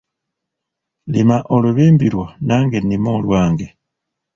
Lima olubimbi lwo nange nnime olwange.